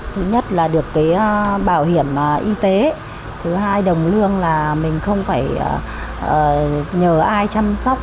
thứ nhất là được cái bảo hiểm y tế thứ hai đồng lương là mình không phải nhờ ai chăm sóc